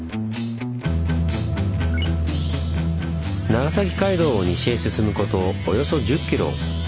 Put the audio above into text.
長崎街道を西へ進むことおよそ１０ｋｍ。